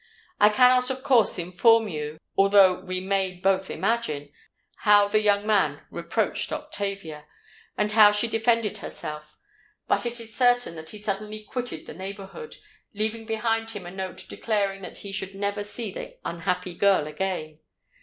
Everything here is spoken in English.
I cannot of course inform you, although we may both imagine, how the young man reproached Octavia, and how she defended herself: but it is certain that he suddenly quitted the neighbourhood, leaving behind him a note declaring that he should never see the unhappy girl again.